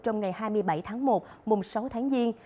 trong ngày hai mươi bảy tháng một mùng sáu tháng giêng